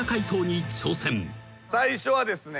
最初はですね。